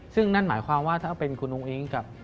ซึ่งนั่นหมายความว่าถ้าเป็นคุณอุ้งอิ๊งกับ